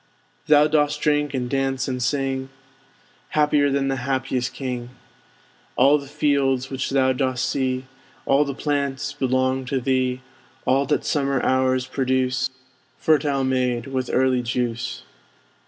Thou dost drink, and dance, and sing; Happier than the happiest king! All the fields which thou dost see, All the plants, belong to thee; All that summer hours produce, Fertile made with early juice.